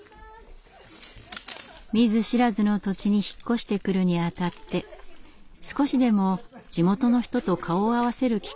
見ず知らずの土地に引っ越してくるにあたって少しでも地元の人と顔を合わせる機会を増やしたいと考えてのことです。